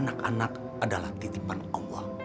anak anak adalah titipan allah